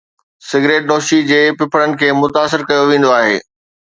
cigarette نوشي جي ڦڦڙن کي متاثر ڪيو ويندو آهي